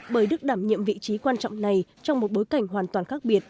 bởi đức đảm nhiệm vị trí quan trọng này trong một bối cảnh hoàn toàn khác biệt